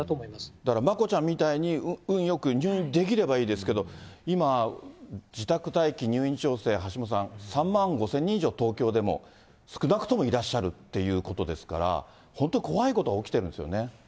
だからまこちゃんみたいに、運よく入院できればいいですけど、今、自宅待機、入院調整、橋下さん、３万５０００人以上、東京で少なくともいらっしゃるっていうことですから、本当、怖いことが起きてるんですよね。